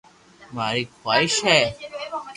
ماري خواݾ ھي